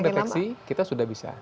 sebenarnya untuk deteksi kita sudah bisa